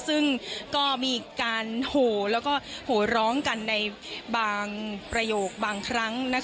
ซึ่งก็มีการโหแล้วก็โหร้องกันในบางประโยคบางครั้ง